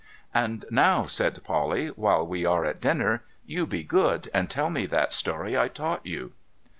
' And now,' said Polly, ' while we are at dinner, you be good, and tell me that story I taught you.'